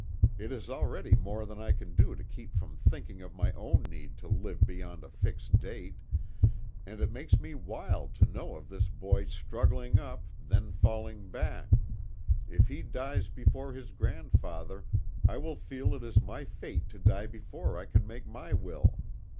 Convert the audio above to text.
It is already more than I can do to keep from thinking of my own need to live beyond a fixed date, and it makes me wild to know of this boy struggling up, then falling back if he dies before his THE TWO WILLS. 137 grandfather I will feel it is my fate to die before I can make my will.